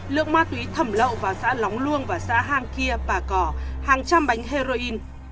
lượng ma túy thẩm lậu vào xã lóng luông và xã hang kia và cỏ hàng trăm bánh heroin